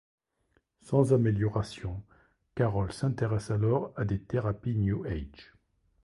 Sans amélioration, Carol s’intéresse alors à des thérapies New Age.